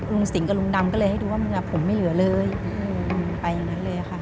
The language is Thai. สิงกับลุงดำก็เลยให้ดูว่าผมไม่เหลือเลยไปอย่างนั้นเลยค่ะ